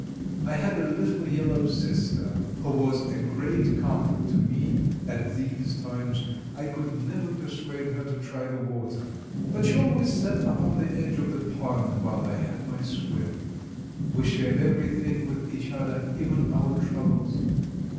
I had a little yellow sister who was a great comfort to me at these times. I could never persuade her to try the water,—but she always sat upon the edge of the pond while I had my swim. We shared everything with each other; even our troubles.